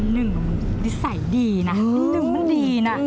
นึงมันดิสัยดีนึงมันดี